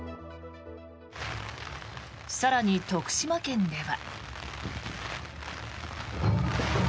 更に、徳島県では。